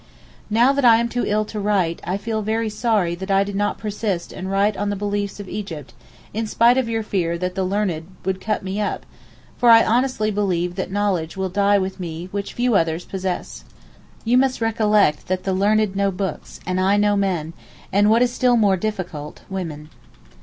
Now that I am too ill to write I feel sorry that I did not persist and write on the beliefs of Egypt in spite of your fear that the learned would cut me up, for I honestly believe that knowledge will die with me which few others possess. You must recollect that the learned know books, and I know men, and what is still more difficult, women.